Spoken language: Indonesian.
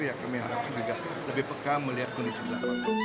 yang kami harapkan juga lebih peka melihat kondisi dalam